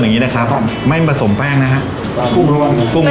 แบบนี้นะครับครับไม่ผสมแป้งนะครับกรุงล้วน